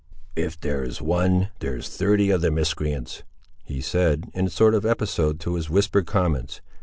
"If there's one, there's thirty of the miscreants!" he said, in a sort of episode to his whispered comments.